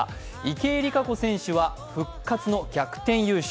池江璃花子選手は復活の逆転優勝。